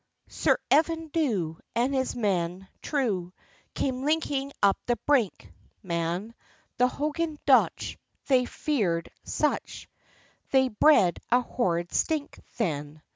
Sir Evan Du, and his men true, Came linking up the brink, man; The Hogan Dutch they feared such, They bred a horrid stink then.